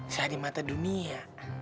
sah di mata dunia